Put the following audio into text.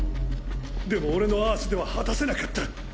でも俺のアースでは果たせなかった。